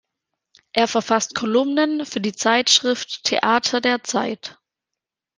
Er verfasst Kolumnen für die Zeitschrift Theater der Zeit.